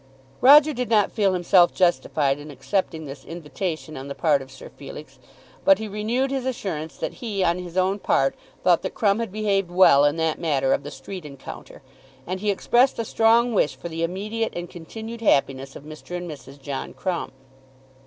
Roger did not feel himself justified in accepting this invitation on the part of Sir Felix; but he renewed his assurance that he, on his own part, thought that Crumb had behaved well in that matter of the street encounter, and he expressed a strong wish for the immediate and continued happiness of Mr. and Mrs. John Crumb.